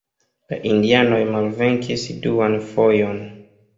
La indianoj malvenkis duan fojon.